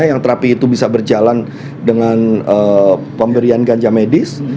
yang terapi itu bisa berjalan dengan pemberian ganja medis